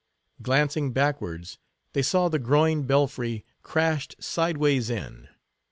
Glancing backwards, they saw the groined belfry crashed sideways in.